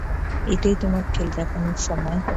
এটাই তোমার খেল দেখানোর সময়।